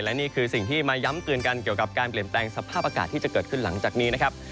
และนี่คือสิ่งที่มาย้ำเตือนกันเกี่ยวกับการเปลี่ยนแปลงสภาพอากาศที่จะเกิดขึ้นหลังจากนี้นะครับ